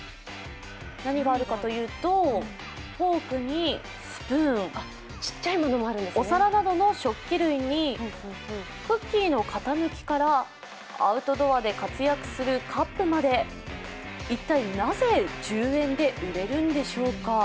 何があるかというとフォークにスプーン、お皿などの食器類にクッキーの型抜きからアウトドアで活躍するカップまで一体なぜ１０円で売れるんでしょうか。